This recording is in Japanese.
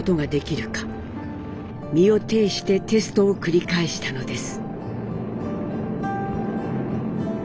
身をていしてテストを繰り返したのです。